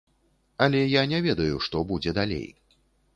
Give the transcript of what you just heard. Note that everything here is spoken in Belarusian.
Але я не ведаю, што будзе далей.